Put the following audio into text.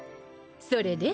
それで？